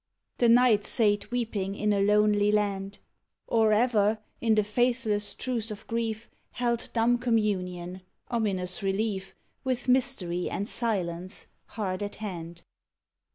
The Night sate weeping in a lonely land; Or ever, in the faithless truce of Grief, Held dumb communion ominous relief ! With Mystery and Silence, hard at hand.